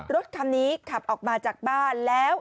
รถคันนี้ขับออกมาจากบ้านแล้ว